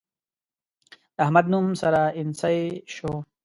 د احمد نوم سره اينڅۍ شو.